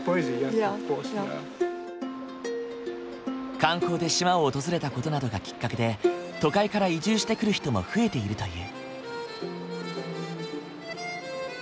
観光で島を訪れた事などがきっかけで都会から移住してくる人も増えているという。